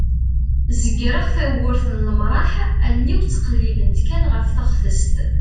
zegreɣ tawwurt n lemraḥ allen-iw ttqellibent kan ɣef teɣtest